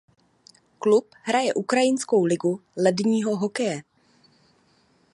Klub hraje Ukrajinskou ligu ledního hokeje.